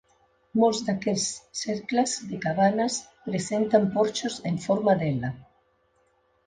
Molts d'aquests cercles de cabanes presenten porxos en forma d'L.